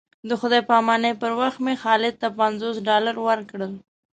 د خدای په امانۍ پر وخت مې خالد ته پنځوس ډالره ورکړل.